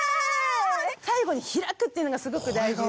最後に開くっていうのがすごく大事で。